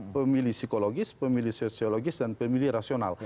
pemilih psikologis pemilih sosiologis dan pemilih rasional